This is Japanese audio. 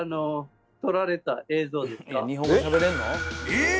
［えっ？